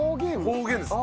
方言です。